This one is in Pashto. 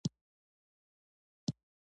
د پاکستان درمل له ټولو درملو خراب درمل دي